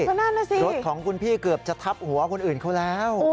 ก็นั่นน่ะสิรถของคุณพี่เกือบจะทับหัวคนอื่นเขาแล้ว